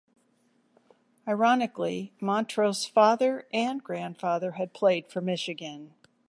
Ironically, Montross' father and grandfather had played for Michigan.